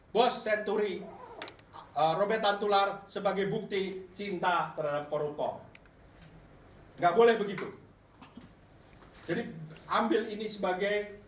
dari ehem ali places menggunakan pilihan untuk untuk melakukan tingkat kurun embora yang tidak pahoff kamu